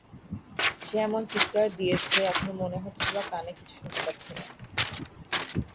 সে এমন চিৎকার দিয়েছে, এখন মনে হচ্ছে বা কানে কিছু শুনতে পাচ্ছি না।